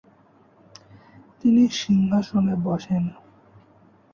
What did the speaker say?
তিনি সিংহাসনে বসেন।